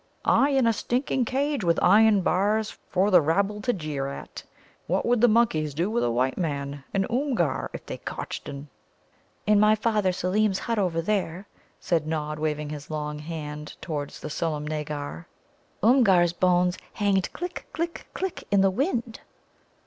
"Ay, in a stinking cage, with iron bars, for the rabble to jeer at. What would the monkeys do with a white man, an Oomgar, if they cotched 'n?" "In my father Seelem's hut over there," said Nod, waving his long hand towards the Sulemnāgar, "Oomgar's bones hanged click, click, click in the wind."